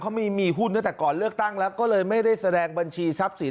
เขามีหุ้นตั้งแต่ก่อนเลือกตั้งแล้วก็เลยไม่ได้แสดงบัญชีทรัพย์สิน